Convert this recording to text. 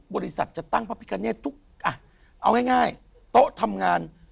บริษัทจะตั้งพระพิกาเนตทุกอ่ะเอาง่ายโต๊ะทำงาน